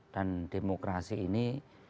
dan demokrasi ini